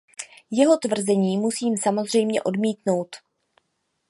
Jeho tvrzení musím samozřejmě odmítnout.